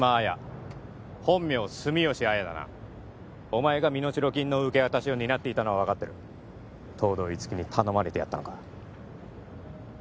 お前が身代金の受け渡しを担っていたのは分かってる東堂樹生に頼まれてやったのか？